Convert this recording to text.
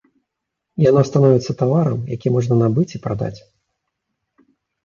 Яно становіцца таварам, які можна набыць і прадаць.